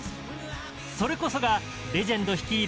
それこそがレジェンド率いる